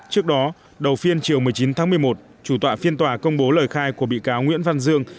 trước đó đầu phiên chiều một mươi chín tháng một mươi một chủ tọa phiên tòa công bố lời khai của bị cáo nguyễn văn dương